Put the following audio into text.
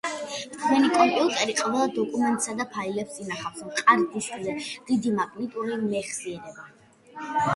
თქვენი კომპიუტერი ყველა დოკუმენტსა და ფაილებს ინახავს მყარ დისკზე, დიდი მაგნიტური მეხსიერება